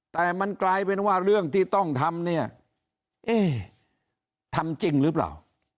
แต่มันกลายเป็นว่าเรื่องที่ต้องทำเนี่ยเอ๊ทำจริงหรือเปล่า